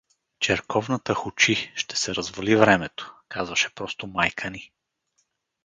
— Черковната хучи, ще се развали времето — казваше просто майка ни.